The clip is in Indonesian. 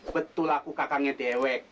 betul aku kakangnya ewek